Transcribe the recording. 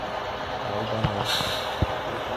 Алданыу